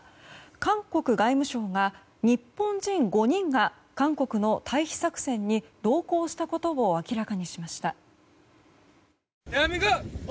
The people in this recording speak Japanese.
韓国外務省が、日本人５人が韓国の退避作戦に同行したことを明らかにしました。